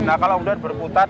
nah kalau berputar